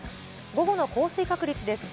午後の降水確率です。